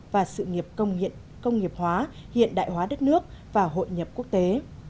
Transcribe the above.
và sự nghiệp công nghiệp hóa hiện đại hóa đất nước và hội nhập quốc tế